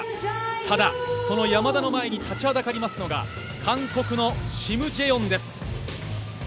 ただ、その山田の前に立ちはだかりますのが韓国のシム・ジェヨンです。